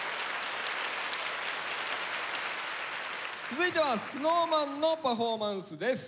続いてはＳｎｏｗＭａｎのパフォーマンスです。